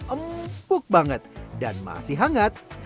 empuk banget dan masih hangat